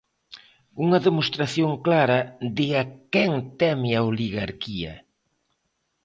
Unha demostración clara de a quen teme a oligarquía.